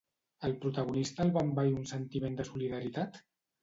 Al protagonista el va envair un sentiment de solidaritat?